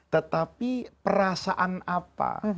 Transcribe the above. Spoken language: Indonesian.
tetapi perasaan apa